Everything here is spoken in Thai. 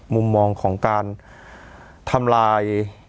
มุมมองของการทำลาย